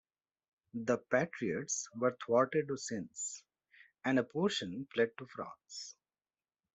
The Patriots were thwarted since, and a portion fled to France.